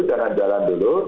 jangan jalan dulu